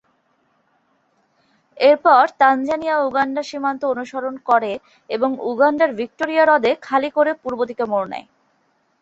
এরপর তাঞ্জানিয়া-উগান্ডা সীমান্ত অনুসরণ করে এবং উগান্ডার ভিক্টোরিয়া হ্রদে খালি করে পূর্ব দিকে মোড় নেয়।